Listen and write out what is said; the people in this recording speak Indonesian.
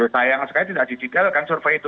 sayang sekali tidak didigitkan kan survei itu